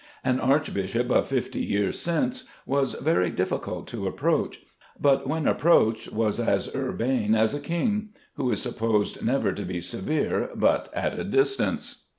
An archbishop of fifty years since was very difficult to approach, but when approached was as urbane as a king, who is supposed never to be severe but at a distance.